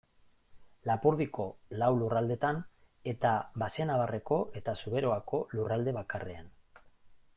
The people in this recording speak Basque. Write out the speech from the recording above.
Lapurdiko lau lurraldetan, eta Baxenabarreko eta Zuberoako lurralde bakarrean.